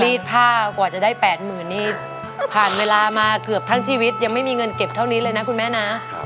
ผ้ากว่าจะได้๘๐๐๐นี่ผ่านเวลามาเกือบทั้งชีวิตยังไม่มีเงินเก็บเท่านี้เลยนะคุณแม่นะ